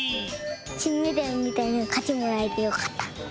きんメダルみたいなかちもらえてよかった。